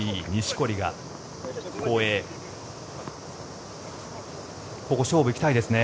ここ勝負行きたいですね。